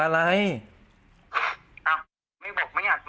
ท่านไม่ได้ยังไงฟังมีปัญหาได้หมด